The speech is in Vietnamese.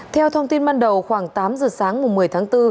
theo thông tin ban đầu khoảng tám giờ sáng một mươi tháng bốn